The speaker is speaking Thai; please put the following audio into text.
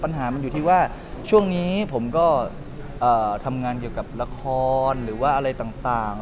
ปัญหามันอยู่ที่ว่าช่วงนี้ผมก็ทำงานเกี่ยวกับละครหรือว่าอะไรต่าง